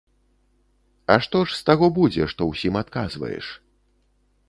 А што ж з таго будзе, што ўсім адказваеш?